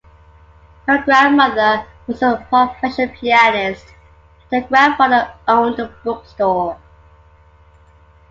Her grandmother was a professional pianist and her grandfather owned a bookstore.